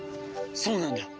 そうなんだ。